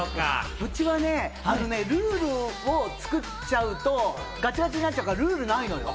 うちはね、ルールを作っちゃうとガチガチになっちゃうから、ルールないのよ。